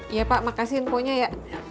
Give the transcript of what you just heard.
iya pak makasih info nya ya